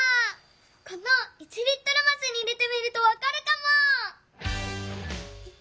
この１リットルますに入れてみるとわかるかも。